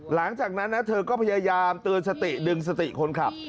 หลังจากนั้นนะเธอก็พยายามเตือนสติดึงสติคนขับ